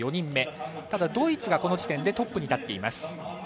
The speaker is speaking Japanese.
ただ、ドイツがこの時点でトップに立っています。